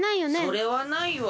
それはないわ。